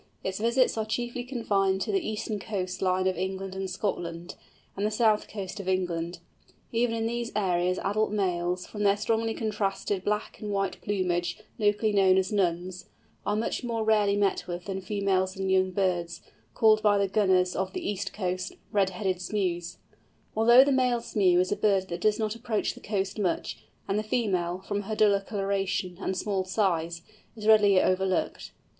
Its visits are chiefly confined to the eastern coast line of England and Scotland and the south coast of England. Even in these areas adult males—from their strongly contrasted black and white plumage locally known as "Nuns"—are much more rarely met with than females and young birds, called by the gunners of the east coast "Red headed Smews." Unfortunately, the male Smew is a bird that does not approach the coast much, and the female, from her duller colouration and small size, is readily overlooked.